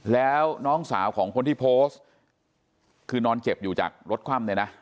แล้วน้องสาวของคนที่โพสต์คือนอนเจ็บอยู่จากรถคว่ำเนี่ยนะ